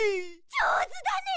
じょうずだね！